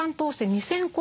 ２，０００個。